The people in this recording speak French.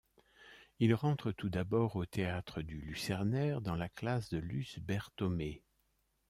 Il rentre tout d'abord au théâtre du Lucernaire dans la classe de Luce Berthommé.